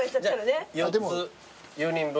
４つ４人分。